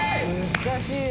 難しい！